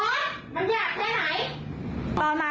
สิ่งสะเพิดเจ้าอ่ะมนุษย์เนี่ยกลายเป็นหลาย